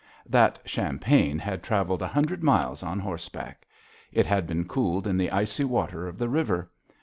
That champagne had traveled a hundred miles on horseback. It had been cooled in the icy water of the river.